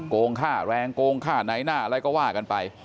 โกงค่าแรงโกงค่าไหนหน้าอะไรก็ว่ากันไป